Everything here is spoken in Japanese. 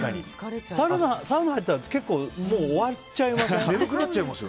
サウナ入ったら結構もう終わっちゃいますよね。